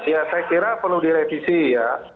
ya saya kira perlu direvisi ya